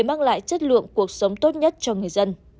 mang lại chất lượng cuộc sống tốt nhất cho người dân